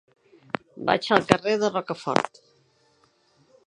Vaig al carrer de Rocafort.